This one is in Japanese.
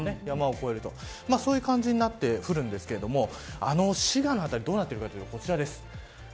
山を越えるとそういう感じになって降るんですけれどもあの滋賀の辺りがどうなっているかというとこちらです。